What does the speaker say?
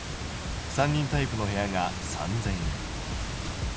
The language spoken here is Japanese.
３人タイプの部屋が３０００円。